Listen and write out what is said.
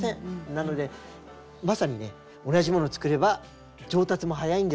なのでまさにね同じ物を作れば上達も早いんです。